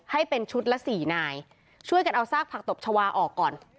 ให้เป็นชุดละสี่นายช่วยกันเอาซากผักตบชาวาออกก่อน